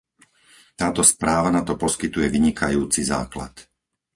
Táto správa na to poskytuje vynikajúci základ.